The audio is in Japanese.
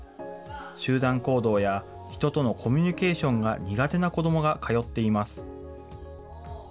集団行動や人とのコミュニケーションが苦手な子どもが通っています。